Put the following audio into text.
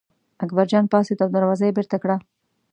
اکبرجان پاڅېد او دروازه یې بېرته کړه.